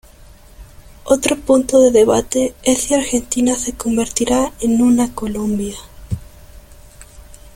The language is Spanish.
Otro punto de debate es si Argentina se convertirá en una "Colombia".